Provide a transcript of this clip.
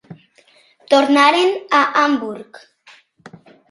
Tornaren a Hamburg.